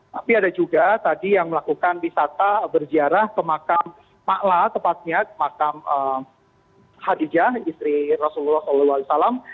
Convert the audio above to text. tapi ada juga tadi yang melakukan wisata berziarah ke makam ⁇ mala ⁇ tepatnya ke makam hadijah istri rasulullah saw